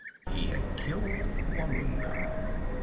He had killed Gwarunga.